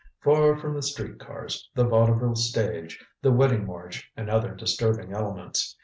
Far from the street cars, the vaudeville stage, the wedding march and other disturbing elements.